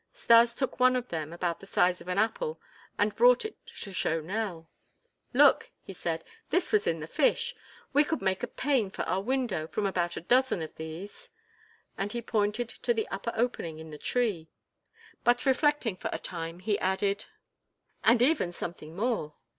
Stas took one of them about the size of an apple and brought it to show to Nell. "Look!" he said. "This was in the fish. We could make a pane for our window from about a dozen of these." And he pointed at the upper opening in the tree. But reflecting for a time he added: "And even something more."